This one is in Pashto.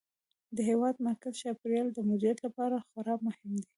د هېواد مرکز د چاپیریال د مدیریت لپاره خورا مهم دی.